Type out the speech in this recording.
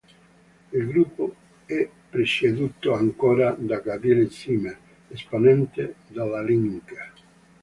Il gruppo è presieduto ancora da Gabriele Zimmer, esponente della Linke.